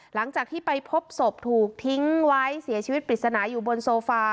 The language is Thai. หลังจากที่ไปพบศพถูกทิ้งไว้เสียชีวิตปริศนาอยู่บนโซฟา